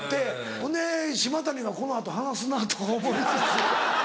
ほんで島谷がこの後話すなぁとか思いつつ。